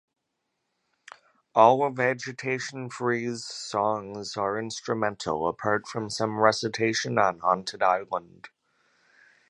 All of Agitation Free's songs are instrumental apart from some recitation on "Haunted Island".